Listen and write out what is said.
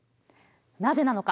なぜなのか？